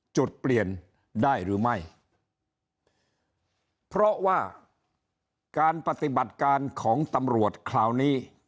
จุดเปลี่ยนได้หรือไม่เพราะว่าการปฏิบัติการของตำรวจคราวนี้